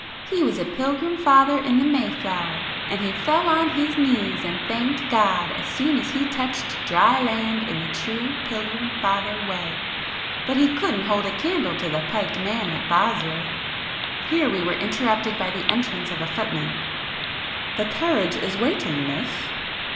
He was a Pilgrim Father in the Mayflower, and he fell on his knees and thanked God as soon as he touched dry land in the true Pilgrim Father way. But he couldn't hold a candle to the piked man at Bosworth." Here we were interrupted by the entrance of a footman. "The carriage is waiting, Miss."